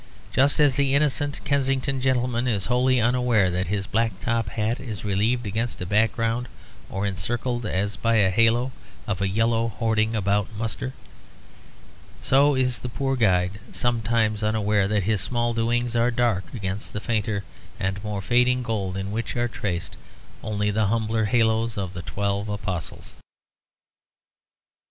Just as the innocent Kensington gentleman is wholly unaware that his black top hat is relieved against a background, or encircled as by a halo, of a yellow hoarding about mustard, so is the poor guide sometimes unaware that his small doings are dark against the fainter and more fading gold in which are traced only the humbler haloes of the Twelve Apostles.